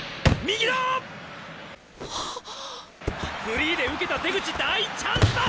フリーで受けた出口大チャンスだ！